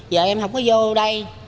vợ em không có vô đây